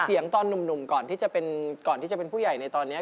เสียงตอนหนุ่มก่อนที่จะเป็นผู้ใหญ่ในตอนนี้